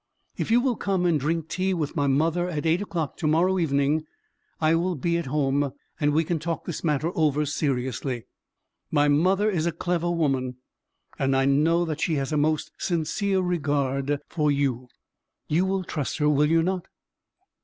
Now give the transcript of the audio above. If you will come and drink tea with my mother at eight o'clock to morrow evening, I will be at home; and we can talk this matter over seriously. My mother is a clever woman, and I know that she has a most sincere regard for you. You will trust her, will you not?"